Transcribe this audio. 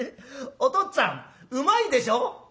おとっつぁんうまいでしょ？」。